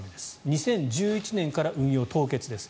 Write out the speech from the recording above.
２０１１年から運用凍結です。